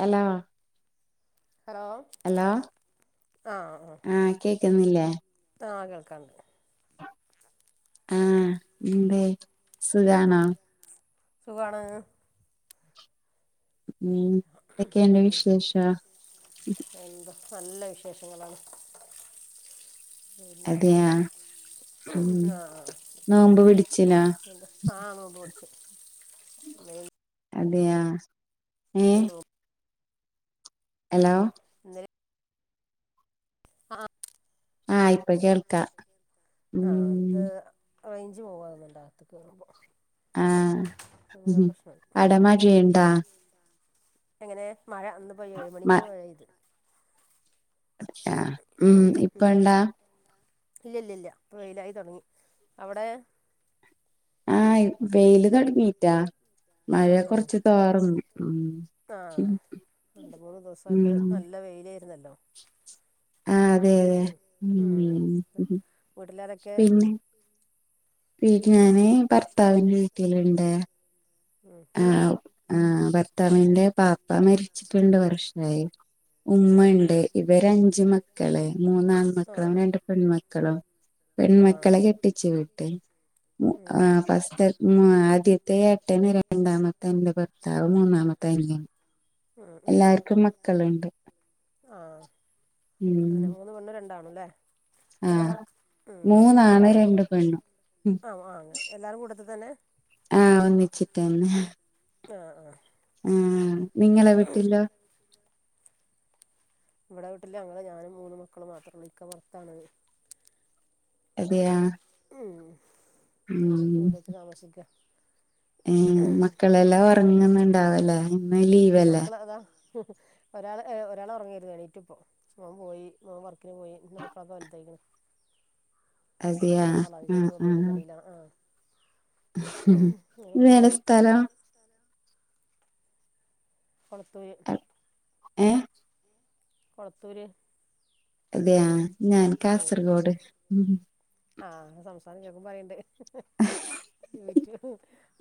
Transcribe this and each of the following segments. Hello hello hello ആ ആ ആ ഇന്നില്ലേ ആ കേൾക്കണ്ട് ആ ഇന്തേ സുഖാണോ സുഖാണ് ഉ എന്തൊക്കെണ്ട് വിശേഷോ എന്താ നല്ല വിശേഷങ്ങളാണ് പിന്നെ അതെയാ ഉം അ നോമ്പ് പിടിച്ചിനോ അ അ അതെയാ ഹലോ എലോ എന്തെ ആ ആ ഇപ്പൊ കേൾക്കാ ആ ഉം ത് റേഞ്ച് പോവാന്ന് തോന്നണ്ട് ആത്തേക്ക് കേറുമ്പോ ആ ഉം അടെ ഉം മഴയ്യിണ്ടാ എങ്ങനെ മഴ ഇന്ന് ഇപ്പോ ഏഴ് മ മണിക്കൊരു മഴ പെയ്ത് അ ഉം ഇപ്പ ണ്ടാ ഇല്ല ഇല്ല ഇല്ല ഇപ്പൊ വെയിലായി തുടങ്ങി അവിടെ ആഹ് വെയില് തുടങ്ങിയിട്ട്. മഴ ഉം ഉം കൊറച്ച് തോർന്ന് ഉം. ആഹ് രണ്ട് മൂന്ന് ദിവസായിട്ട് ഉം നല്ല വെയില് ആയിരുന്നല്ലോ. ആഹ് അതെ അതെ ഉം വീട്ടിലാരൊക്കെ പിന്നെ. പിന്നെ ഞാന് ഭർത്താവിന്റെ വീട്ടിലുണ്ട്. ഉം ആഹ് ആഹ് ഭർത്താവിന്റെ ബാപ്പ മരിച്ചിട്ട് രണ്ടു വർഷായി. ഉമ്മയുണ്ട് ആഹ് ഇവര് അഞ്ച് മക്കള് മൂന്ന് ആൺ ആഹ് മക്കളും രണ്ട് പെൺമക്കളും. ആഹ് പെൺമക്കളെ കെട്ടിച്ചു വിട്ട് മു ഉം ആഹ് ഫസ്റ്റ്. ഉം ആദ്യത്തെ ഏട്ടന് രണ്ടാമത്തെ എന്റെ ഭർത്താവ് മൂന്നാമത്തെ അനിയൻ. ഉം ഉം എല്ലാർക്കും മക്കളുണ്ട്. ആഹ് ഉം അല്ലെ ആഹ് ഉം മൂന്നാണ് എല്ലാർക്കുണ്ട് രണ്ട് പെണ്ണും ആഹ് ആഹ് എല്ലാരും കൂട്ടത്തിൽ തന്നെയാ. ആഹ് ഒന്നിച്ചിട്ട് തന്നെയാ. ആഹ് ആഹ് ആഹ് നിങ്ങളെ വീട്ടിലോ. ഇവിടെ വീട്ടില് ഞങ്ങള് ഞാനും മൂന്ന് മക്കളും മാത്രയുള്ളൂ, ഇക്ക പുറത്താണ്. അതെയോ ഞങ്ങള് വീട് വെച്ച് താമസിക്കാൻ. ഏഹ് മക്കളെല്ലാം ഉറങ്ങുന്നുണ്ടാവുല്ലേ ഇന്ന് ലീവ് അല്ലേ. ഒരാൾ ഒരാൾ ഉറങ്ങവായിരുന്നു, എണീറ്റിപ്പോ മോൻ പോയി മോൻ വർക്കിന് പോയി നമുക്ക് അത് വലുത്. അതെയോ മോൻ വളാഞ്ചേരി ആഹ് മൊബൈലും ആഹ്. കടയിലാണ് ആഹ് അങ്ങനെ മോൻ ഏതാ പോയി സ്ഥലം കൊളത്തൂര് ഏഹ് കൊളത്തൂര് അതേയോ ഞാൻ ഉം കാസർഗോഡ് ഉം ഹും ആഹ് സംസാരം കേക്കുമ്പോ അറീണ്ട് യൂടൂബ്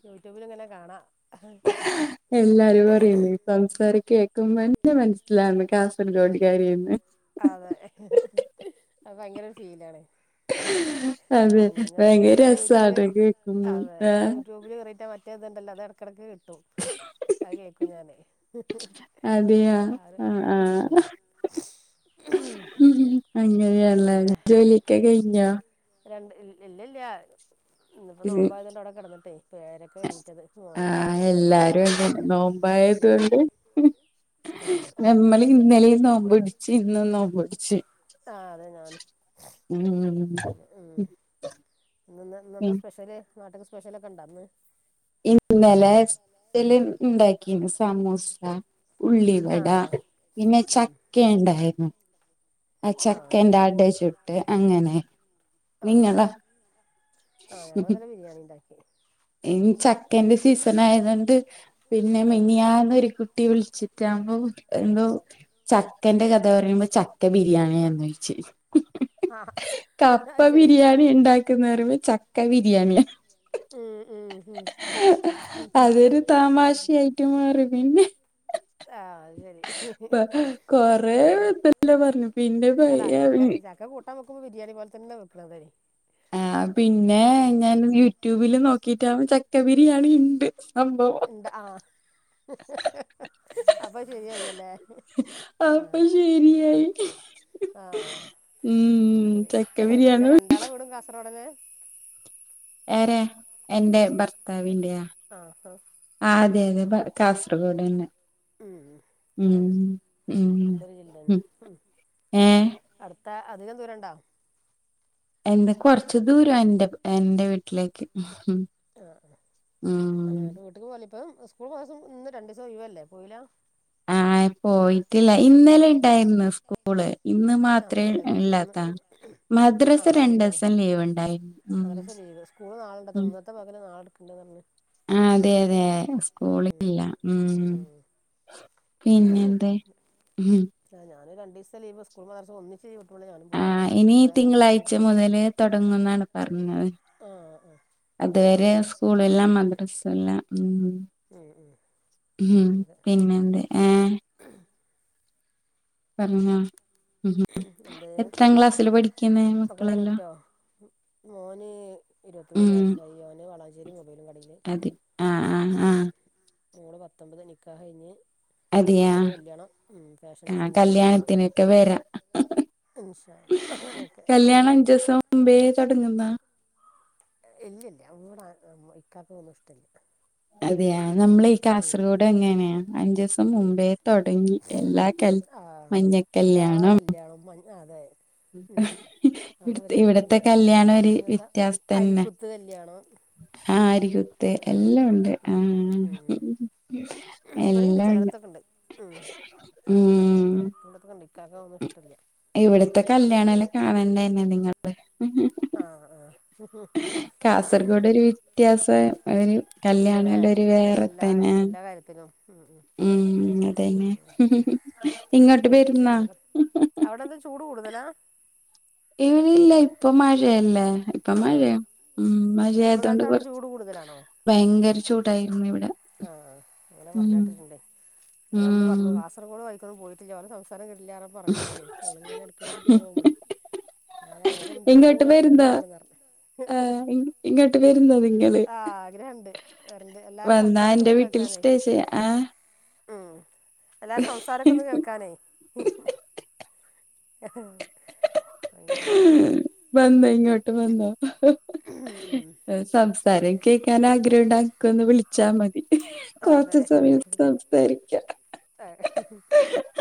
യൂട്യൂബില്ങ്ങനെ കാണാ എല്ലാരും പറയുന്നു സംസാരം കേക്കുമ്പന്നെ ന്നെ മനസ്സിലാന്ന് കാസർഗോഡ് കാരിയെന്ന് അതെ അത്‌ ഭയങ്കരൊരു ഫീലാണ് അതെ ഉം ഞാൻ ഭയങ്കര ഞാൻ യൂട്യൂബില് രസാട്ടൊ കേക്കുമ്പോ ഏഹ് മറ്റതുണ്ടല്ലോ അത് എടക്കെടക്ക് കിട്ടും അത് കേക്കും ഞാനേയ് യ്യാ ആ ആഹ് അങ്ങനെയാൺല്ലേ പിന്നെ ജോലിയൊക്കെ കഴിഞ്ഞാ രണ്ട് ഇൽ ഇല്ലല്ല്യ ഇന്ന്പ്പോ നോമ്പായതുകൊണ്ട് അവിടെ കിടന്നിട്ടെയ് ഇപ്പൊ ഏഴരക്കാ എണീറ്റത്. ആ മോന് ചായിം കടിം ണ്ടാക്കിക്കൊട്ത് ഓന് നോമ്പില്ല ഉം രണ്ട് ആഹ് നമ്മള് ഇന്നലീം നോമ്പ്ടിച്ച് ഇന്നും നോമ്പ്ടിച്ച് ആഹ് അതെ ഞാനും ഉം പിന്നെ ഉം ഇന്ന് ഇന്നെന്താ സ്പെഷ്യല് നാട്ട്ക്ക് സ്പെഷ്യലൊക്കെണ്ടാന്ന് ഇന്നലെ സ്പെഷ്യല്ണ്ടാക്കീന്ന് സമൂസ ആ ഉള്ളിവട ആ പിന്നെ ചക്കണ്ടായിര്ന്ന് ആ ചക്കന്റെ അട ചുട്ട് അങ്ങനെ നിങ്ങളോ ആഹ് ഞങ്ങളിന്നലെ ബിരിയാണിണ്ടാക്കി ചക്കേന്റെ സീസണായതോണ്ട് പിന്നെ ആ മിനിയാന്നൊരു കു ട്ടി വിളിച്ചിട്ടാമ്പോ എന്തോ ചക്കന്റെ കഥ പറയുമ്പോ ച ബിരിയാണിയാന്നു ചോയിച്ച് ആ അത് ശരി കപ്പബിരിയാണി ഇണ്ടാക്കുന്നേ പറമ്പോ ചക്കബിരിയാണിയാ ഉം ഉം ഉം അതൊരു തമാശായായിട്ട് മാറി പിന്നെ ആ അത് ശരി കൊറെ എന്തെല്ലോ പറഞ്ഞു പിന്നെ പയ്യേ ഇ ഞാൻ നോക്കുമ്പം ബിരിയാണി പോലെ തന്നെ വെക്കണതാണേ ആഹ് പിന്നെ ഞാൻ യൂട്യൂബില് നോക്കിട്ട് ചക്കബിരിയാണി ഇണ്ട് സംബവം അപ്പോ ശെരിയായി അല്ലേ അപ്പോ ശെരിയായി ആഹ് ചക്ക എല്ലാ ബിരിയാണി രണ്ടാള് വീടും കാ സർഓടന്നേ എരെ എന്റെ ഭർത്താവിന്റെയാ ആ ആ ആഹ് അതെയതെ ഭ കാസർഗോഡ് അന്നെ ഉം ആഹ് ഉം രണ്ടൊരു ജില്ല തന്നെ ഉം ഏ അ ത്ത അധികം ദൂരം ണ്ടാ എന്ത് കൊറച്ച് ദൂരം എന്റെ എന്റെ വീട്ടിലേക്ക് ഉം ആ ആ ഉം അങ്ങനെ വീട്ടിക്ക് പോകല ഇപ്പം സ്കൂള് മാസം ഇന്ന് രണ്ടിസം ഒഴിവ് അല്ലേ പോയിലാ ആഹ് പോയിട്ടില്ല ഇന്നലെ ഇണ്ടാരുന്നു സ്കൂള് ഇന്ന് ആ മാത്രേ ഇന്നലെ ഉണ്ടായിരുന്നു ഇന്ന് ഇല്ലാത്താ ആ മദ്രാസ രണ്ട് ശരിയാണ് ദിവസം ലീവ് ഉണ്ടായി ഉം മദ്രസ സ്കൂള് നാളെണ്ടു ഉം ഇന്നത്തെ പകരം നാളെടുക്കണ്ട് ന്ന് പറഞ്ഞ് ആഹ് അതെ അതെ ഉം ഉം സ്കൂളില്ലാ ഉം പിന്നെന്തേ ഉം അങ്ങനെ രണ്ടീസം ലീവ് സ്കൂളും മദർസും ഒന്നി ആഹ് ഇനി തിങ്കളാഴ്ച പോരും മുതല് തൊടങ്ങുന്നാണ് പറഞ്ഞത് ആഹ് ആഹ് അത് വരെ സ്കൂളില്ല മദ്രസല്ല ഉം ഉം ഉം ഹും അതെ പിന്നെന്ത് ഏഹ് പറഞ്ഞോ ഉഹും എന്ത് എത്രാം ക്ലാസ്സില് പഠിക്കുന്നെ മക്കളൊക്കെ മക്കളല്ലാം എണീറ്റോ മോന് ഇരുവത്തിമൂന്ന് ഉം വയസ്സായി അവന് വളാഞ്ചേരി മൊബൈലും കടയില് അതെ ആഹ് ആഹ് ഉം ആഹ് മോള് പത്തൊമ്പത് നിക്കാഹ് കയ്ഞ്ഞ് അതെയാ ആഹ് ഡിസൈനിങ്ങിന് പോവാണ് കല്യാണത്തിനൊക്കെ വെരാ ഇൻഷാ ഓക്കെ ന്നാ ഇല്ല്യല്ല്യ ഇവടെ ഇക്കാക്ക് അത്ഒന്നും ഇഷ്ടല്ല്യ. അതെയാ നമ്മള് ഈ കാസർഗോഡ് അങ്ങനെയാ അഞ്ചൂസം മുമ്പേ തൊടങ്ങി എല്ലാ കൽ ആഹ് എല്ലാ മഞ്ഞക്കല്യാണം കല്യാണവും അതെ അതും ഇവിടുത്തെ ഇവര്ക്ക് ഇവിടത്തെ ഇഷ്ടല്ല്യ കല്യാണം ഒരു പിന്നെന്താ അരിക്കുത്ത് കല്യാണം ആഹ് അരികുത്ത് അല്ലേ എല്ലാം ഉണ്ട് ഉം ആഹ് ഉം ഇവിടെണ്ട് ചിലയിടത്തൊക്കെ ഉണ്ട് ഉം ഉം നടക്കണ്ടത്തൊക്കെ കണ്ട് ഇവിടത്തെ കല്യാണല്ലാം കാണണ്ടായിന്നെ നിങ്ങള്ടെ ആഹ് ആഹ് കാസർഗോഡ് ഒരു വ്യത്യാസ ഒരു കല്യാണ ഉണ്ടല്ലേ അല്ല ഒരു വേറെ എല്ലാ തന്നെ എല്ലാ കാര്യത്തിനും ഉം ഉം ഉം അതന്നെ ഇങ്ങോട്ട് വരുന്നാ അവിടെ എന്താ ചൂട് കൂടുതലാ ഇല്ല ഇപ്പൊ മഴയല്ലേ ഇപ്പ ആ മഴയ ഉ മഴ ചൂട് ആയതൊണ്ട് കാലത്ത് അവിടെ കൊറച്ച് ചൂട് കൂടുതലാണോ ഭയങ്കര ചൂടായിരുന്നു ഇവിടെ ആ അങ്ങനെ പറഞ്ഞ ഉം കേട്ടിട്ടണ്ട ഉം ഞന്ന് പറഞ്ഞു കാസർഗോ പൈക്കൊന്ന പോയിട്ടില്ല അവരെ സംസാരം കിട്ടില്ലാര പറഞ്ഞ ഞങ്ങൾങ്ങെ എടുക്കുന്നൊക്കെ ടൂർ പോവുമ്പളേ എങ്ങട്ട പോേരന്താ പറഞ്ഞു ആഹ എങ്ങട്ട് വരുന്നോ നിങ്ങള് ആ ആഗ്രഹമുണ്ട് വരണ്ട് എല്ലാവരും വന്നാ സംസാരമൊക്കെ എന്റെ ഒന്ന് വീട്ടിൽ കേൾക്കാനേ സ്റ്റേ ചെയ്യ ആ എല്ലാരും സംസാരൊക്ക ഒന്ന് കേൾക്കാന അങ്ങനെ വന്നോ ഇങ്ങോട്ട് സംസാരം കേക്ക ആ്രണ്ടാക്ക ഒന്ന് വിളിച്ചാ മതി കൊറച്ച സമയം സംസാരിക്ക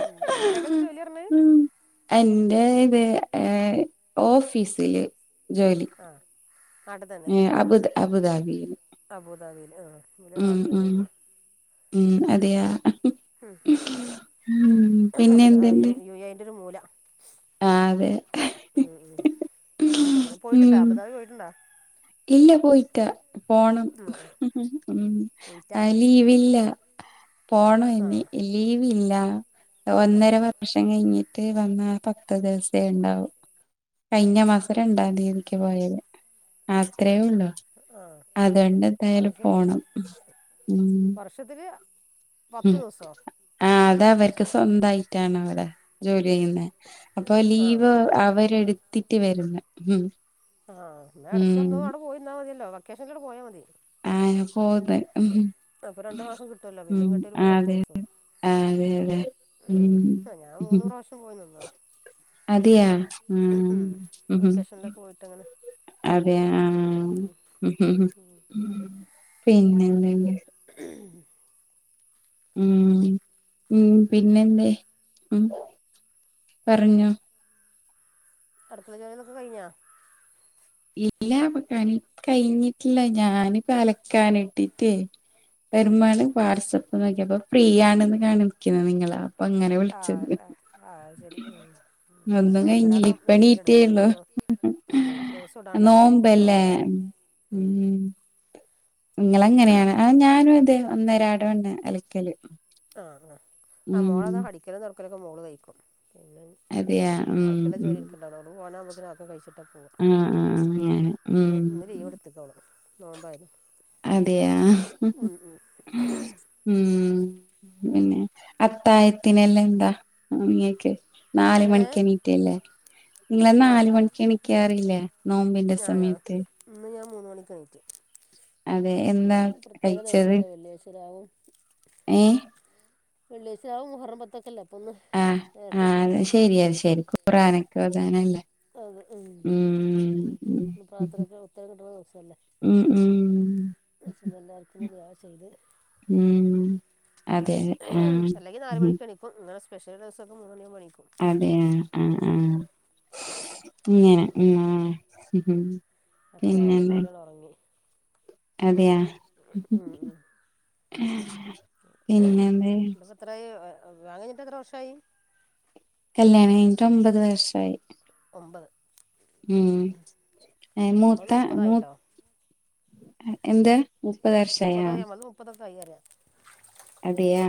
ഉ ഇക്കക്കെ എന്താ ജോലി പറഞ്ഞ അ ഓഫീസിില് ജോലി ആഹ് ഏ അബുദ് അബുദാബി അബുദാബിയില് ആഹ ഇല റാസില കഴ ഉം ഉം അതെയാ ഉ ഉം പിന്നെ യു എ ന്റെ ഒരു മൂല ആ അതെ ഉം ഉം അങ്ങനെ പോയിട്ടുണ്ട ഉം അബതാവിി പോയിട്ടുണ്ടാ ഇല്ല പോയിട്ട പോണം ആഹ് ഉം ഉ പോയിറ്റ ആ ലീവില്ല പോണ എന്ന ആഹ് ലീവ്ല്ല ഒന്നര ആഹ് വർഷം കഴിഞ്ഞിട്ട് മറ്റേ വന്ന പക്ത ദിവസേ ഉണ്ടാവും കഴിഞ്ഞ മാസം രണ്ടാം തീയതിക്ക് പോയത് അത്രേ ഉള്ളു ആഹ് അതുകണ്ട് അത് എന്തായാലും ശരി പോണം ഉ വർഷത്തില് ഉ പത്ത് ദിവസോ ആ അത അവർക്ക് സ്വന്തായിട്ടാണ് അവിടെ ജോലി അപ്പൊ ആഹ് ലീവ് എന്നാ അവരെ എടുത്തിട്ട് വുന്ന ആ്ന്നാ ഇടക്ക്ൊന്നും അവിടെ പോയിന്നാ മതിയല്ലോ വൊക്കേഷനിന്റെോടെ പോയാൽ മതി ആയാ പോത്െ അപ്പൊ രണ്ട് മാസം കിട്ടുവല്ലോ ഉ പിന്നെ ഇങ്ങോട്ട് വരുമ്പോ ഒരു പത്ത് അതെെ ദിവസം അതെ അതെ ഉം ഞാൻ മൂന്ന് പ്രാവശ്യം പോയി നിന്നതാ അതെയാ ഉ ഉം ഉ വെക്കേഷനിലൊക്കെ പോയിട്ട് അങ്ങനെ അതെ ആഹ പിന്നെന്ന ഉം ഉ പിന്നെ എന്താ ഉ പറഞ്ഞോ അടുക്കള ജോലിന്നൊക്കെ കഴിഞ്ഞാ ഇല്ലപ്പൊക്കനി കഴിഞ്ഞിട്ടില്ല ഞൻ അലക്കാനിട്ടിട്ടേ വരുമ്പാണ് വാട്സപ്പ് നോക്കിയ അപ്പൊ ഫ്രീ ആണെന്ന് കാണിക്കുന്നത് നിങ്ങളാ അങ്ങനെ ആഹ വിളിച്ചത് ആ ആ ശരി ഉ ഒന്നും ഞൻ ഒന്നരട കഴിഞ്ഞില്ല മെഷീൻ ഇപ്പണീറ്റേള്ളു ഇടലണ്ടോ ഉം അ നോമ്പല്ലേ ഉ നിങ്ങള അങ്ങനെയാണ് അ ഞാനും ഇത് അന്നരാട വണ് ഇലിക്കല് ആഹ് ആ് ആ മോളത ഹടിക്കല തുൊറക്കലൊക്കെ മോള് തയ്ിക്കും പിന്നെ അതെയാ ഉം ബാക്കിയുള്ള ജോലി ഉം എനക്ക ഉണ്ടാവ അവിടെ പോകണ നുമുക്കക്ക്െ ആക്ക കഴിച്ചിട്ടുണ്ട് പോവാ ആഹ് ആഹ് അങ്ങനെ ഉം ഇ ഇ രീവ എടുത്തി പോള അതെയാ ഉം ഉം പിന്നെ അത്തായത്തിനെല്ലാം എന്താ ഇങ്ങക്ക് നാല് എങ്ങനെ മണിക്ക് എണീറ്റില്ലേ? നിങ്ങളെ ആഹ് നാല് മണിക്ക് എണിക്കാറല്ലേ? നോമ്പിന്റെ ആഹ് ആഹ് സമയത്ത് ഇന്ന് ഞാൻ മൂന്ന് മണിക്കായി അതെ. എന്താ പ്രത്യേക കഴിച്ചത് ദിവസല്ലേ വെള്ളിയാഴ്ച ഏ... വെള്ള്യഴ്ച രാവും മുഹറം പത്തൊക്കെല്ലേ അപ്പം ഒന്ന് ആഹ് നേരത്തെ ആ അത് എണീറ്റ്ന്ന് ശരിയാ ശെരി ഖുറാനൊക്കെ ഒതാനല്ലേ അതെ ഉം ഇന്ന്പ്പൊ ഉം ഇന്ന് പ്രാർത്ഥനക്ക് ഉത്തരകിട്ടണ ദിവസല്ലേ ഉം ഉം ഉം എല്ലാർക്കും ഇന്ന് ദുആ ചെയ്ത് ഉം അതെ അതെ ആഹ് അല്ലെങ്കിൽ നാലു ഉം മണിക്ക് എണിക്കും ഇങ്ങനെ സ്പെഷ്യല്ള്ള ദിവസൊക്കെ മൂന്ന് മണിയാവുമ്പോ എണീ അതെ ആ ആ ഇങ്ങനെ ആ ഉ ഉം അപ്പൊ രാവിലെ പിന്നെന്താ ഒന്നുകൂട്യൺ ഒറങ്ങി അതെയാ പിന്നെന്ത് ഇന്നട്ട് ഇപ്പ എത്രായി വിവാഹം കഴിഞ്ഞിട്ട് എത്ര വർഷായി കല്ല്യാണം കഴിഞ്ഞിട്ട് ഒമ്പത് വർഷായി ഒമ്പത് ഉം എ മൂത്ത നമ്മളത് മുപ്പതായിട്ടോ മൂത്ത് എന്ത്‌ മുപ്പത്ത് വർഷയാ വയ്യറിയാ അതിയാ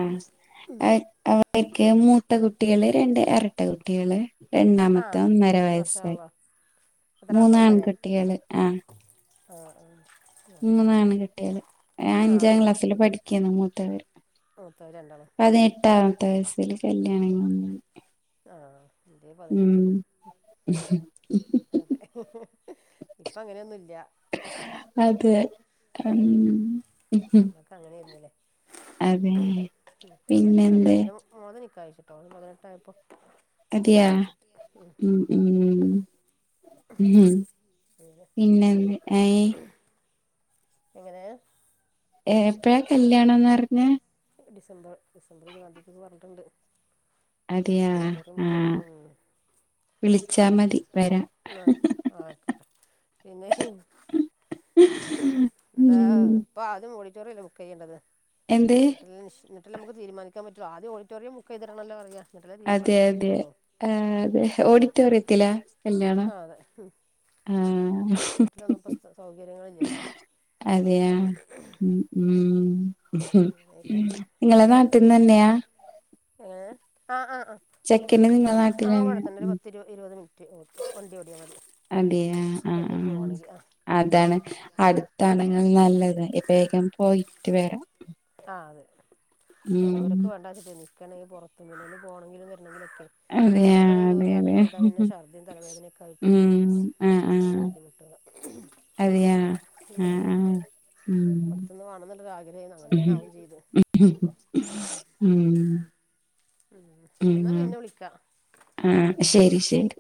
ഐ അവ ഇൻക്ക് മൂത്ത കുട്ട്യേള് രണ്ട് എറട്ട കുട്ട്യേള് ആ രണ്ടാമത്തെ ഒന്നര മാഷാ വയസ്സായി അള്ളാ എത്ര ഒന്നരയോ മൂന്നാൺകുട്ട്യേള് ആ ആ ആ മാഷാ അള്ളാ മൂന്നാൺ കുട്ട്യേള് ആ അഞ്ചാം ആ ആ ക്ലാസ്സില് പഠിക്ക്ണ് മൂത്തവര് മൂത്തവര് രണ്ടാളും പത്തയ്സ് ല് കല്യാണം ആഹ എന്റെ ഉം പതിനഞ്ചില് അതെ ഇപ്പ അങ്ങനൊന്നുൽ അതെ ഉം നമ്മക്ക് അങ്ങനെയായിരുന്നില്ലേ അതെ പിന്നെ ന്തെ ട്ടോൾ പതിനെട്ടയപ്പോ അതെയാ ഉം ഉം ഉം അങ്ങനെ പിന്നെന്ത്‌ ഐ എങ്ങനെ എ എപ്പഴാ കല്യാണംന്ന് പറഞ്ഞേ ഡിസംബർ ഡിസംബറ് ഇരുപതാംന്തിക്ക്ന്ന് പറഞ്ഞിട്ട്ണ്ട് അതെയാ ആഹ ചെയ്തിട്ടുണ്ട് ഉം വിളിച്ചാ മതി വരാം ആ ആ ആയിക്കോട്ടെ പിന്നെ ന്താ ഉം പ്പാത് മൂളി ചെറിയല്ലേ ബുക്ക് ചെയ്യണ്ടത് എന്ത് ന്നട്ട്ല്ലേ ശ് ന്ന് ന്നിട്ടല്ലേ നമക്ക് തീരുമാനിക്കാൻ പറ്റോ ആദ്യ ഓഡിറ്റോറിയം ബുക്കെയ്ത്ട ണല്ലോ പറയ അതെ അതെ ആ അതെ ഓഡിറ്റോറിയത്തിലാ കല്യാണം ആഹ് അതെ ഉം അ ആഹ വീട്ടിലൊന്നും ഇപ്പോ സൗകര്യങ്ങളില്ലല്ലോ അതെയാ ഉം ഉം ആയിട്ട് നിങ്ങളെ നാട്ട്ന്നന്ന്യാ എങ്ങനെ ആ ആ ആ നാട്ടിൽ ആ അവിടെ തന്നെ ഒരു ഉം പത്തി ഇരുപത് മിനിറ്റ് വണ്ടി ഓടിയാ മതി അതെയാ ആഹ് വണ്ടിക്ക് പോകാണെങ്കി ആഹ് അതാണ് അടുത്താണെങ്കില് നല്ലത് ബേകം പോയിട്ട് വരാ ആഹ് അതെ ദൂരൊക്ക് വേണ്ടച്ചിട്ടേനി ഇൻക്കാണങ്കിൽ പൊറത്ത് ന്ന് പോണങ്കിലും വര അതെയാ എനിക്കാണങ്കില് അതെ ദൂരയാത്ര ചെയ്താൽ അതെ പിന്നെ ചർദ്ദി തലവേദനൊക്കെ ആയിട്ട് ബുദ്ധിമുട്ടാ ഉം ഉ അട്ത്ത്ന്ന് മാണന്നുള്ള ആഗ്രഹഏനു അങ്ങനെ തന്നെ ആവുകയും ചെയ്തു ഉ ഉ ഉം ഉം എന്നാൽ പിന്നെ വിളിക്കാം ആഹ ശരി ശരി